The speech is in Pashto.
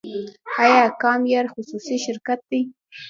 آیا کام ایر خصوصي شرکت دی؟